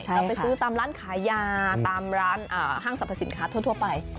เราไปซื้อตามร้านขายยาตามร้านห้างสรรพสินค้าทั่วไป